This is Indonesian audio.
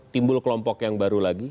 timbul kelompok yang baru lagi